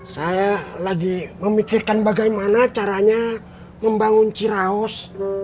saya lagi memikirkan bagaimana caranya membangun ciraos